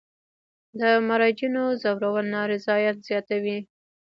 د مراجعینو ځورول نارضایت زیاتوي.